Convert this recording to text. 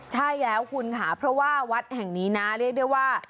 ใช่แล้วคุณค่ะเพราะว่าวัดแห่งนี้นะเรียกได้ว่า